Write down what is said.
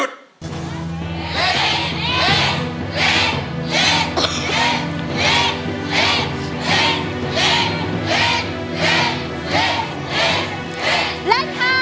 ลีด